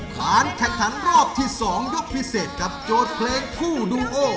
การแข่งขันรอบที่๒ยกพิเศษกับโจทย์เพลงคู่ดูโอ